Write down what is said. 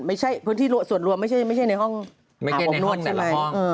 ไม่ใช่พื้นที่ส่วนรวมไม่ใช่ในห้องใช่ไหม